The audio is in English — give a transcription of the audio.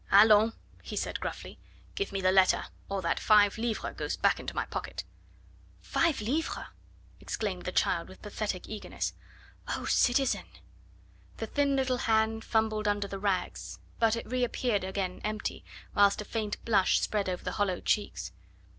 "Allons!" he said gruffly, "give me the letter, or that five livres goes back into my pocket." "Five livres!" exclaimed the child with pathetic eagerness. "Oh, citizen!" The thin little hand fumbled under the rags, but it reappeared again empty, whilst a faint blush spread over the hollow cheeks.